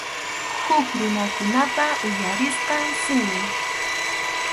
Huk runakunapa uyarisqan simi.